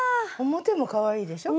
表もかわいいですね